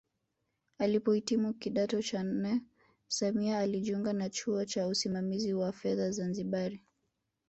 Alipohitimu kidato cha nne Samia alijiunga na chuo cha usimamizi wa fedha Zanzibari